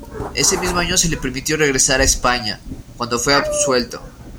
Ese mismo año se le permitió regresar a España, cuando fue absuelto.